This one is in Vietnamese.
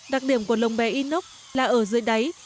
đặc điểm của lồng bé inox là ở dưới đáy